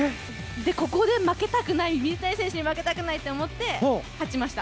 ここで負けたくない、水谷選手に負けたくないって思って勝ちました。